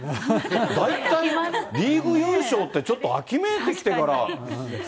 大体、リーグ優勝って、ちょっと秋めいてきてから。